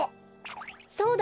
そうだ！